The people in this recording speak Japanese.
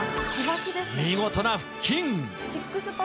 見事な腹筋。